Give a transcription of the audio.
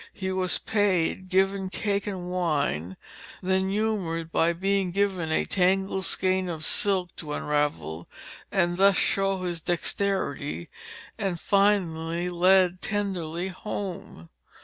He was paid, given cake and wine, then humored by being given a tangled skein of silk to unravel and thus show his dexterity, and finally led tenderly home.